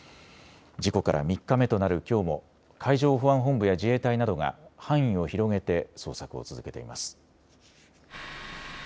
事故から３日目となるきょうも海上保安本部や自衛隊などが範囲を広げて捜索を続けています。